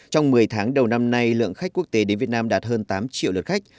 trong một mươi tháng đầu năm nay lượng khách quốc tế đến việt nam đạt hơn tám triệu lượt khách